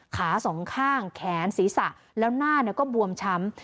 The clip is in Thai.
สองข้างแขนศีรษะแล้วหน้าก็บวมช้ำ